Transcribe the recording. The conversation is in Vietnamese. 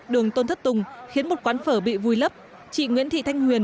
đường tôn thất tùng khiến một quán phở bị vùi lấp chị nguyễn thị thanh huyền